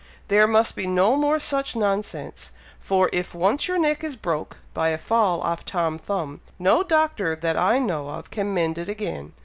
There must be no more such nonsense; for if once your neck is broke by a fall off Tom Thumb, no doctor that I know of can mend it again.